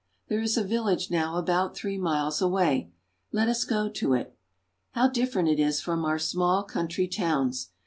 There is a village now about three miles away. Let us go to it. How different it is from our small country towns